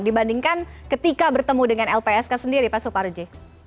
dibandingkan ketika bertemu dengan lpsk sendiri pak suparji